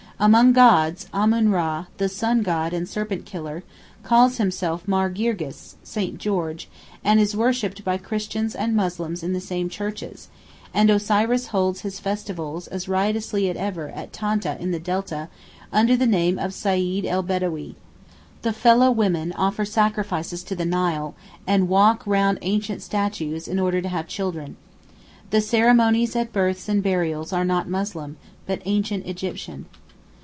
Among gods, Amun Ra, the sun god and serpent killer, calls himself Mar Girgis (St. George), and is worshipped by Christians and Muslims in the same churches, and Osiris holds his festivals as riotously as ever at Tanta in the Delta, under the name of Seyd el Bedawee. The fellah women offer sacrifices to the Nile, and walk round ancient statues in order to have children. The ceremonies at births and burials are not Muslim, but ancient Egyptian.